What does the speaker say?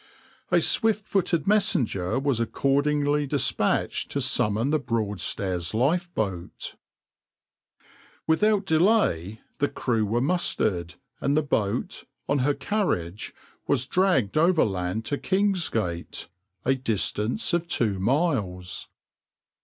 A swift footed messenger was accordingly despatched to summon the Broadstairs lifeboat.\par \vs {\noindent} Without delay the crew were mustered, and the boat, on her carriage, was dragged overland to Kingsgate, a distance of two miles.